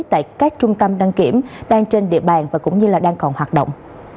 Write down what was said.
tại các trung tâm đăng kiểm đang trên địa bàn và cũng như đang còn hoạt động